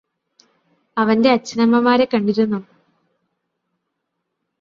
അവന്റെ അച്ഛനമ്മമാരെ കണ്ടിരുന്നോ